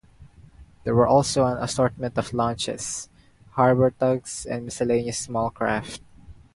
There were also an assortment of launches, harbor tugs and miscellaneous small craft.